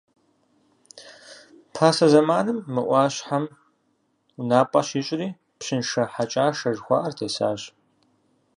Пасэ зэманым, мы ӏуащхьэм унапӏэ щищӏри, Пщыншэ Хьэкӏашэ жыхуаӏэр тесащ.